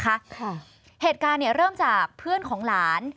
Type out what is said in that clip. ค่ะเหตุการณ์เนี่ยเริ่มจากเพื่อนของหลาน